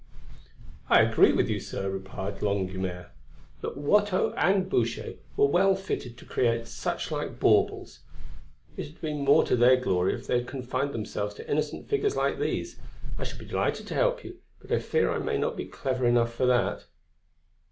"I agree with you, sir," replied Longuemare, "that Watteau and Boucher were well fitted to create such like baubles; it had been more to their glory if they had confined themselves to innocent figures like these. I should be delighted to help you, but I fear I may not be clever enough for that."